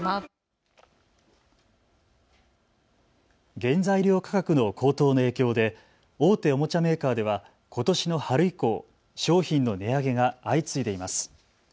原材料価格の高騰の影響で大手おもちゃメーカーではことしの春以降、商品の値上げが相次いでいます。